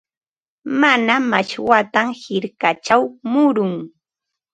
Mamaa mashwata hirkachaw murun.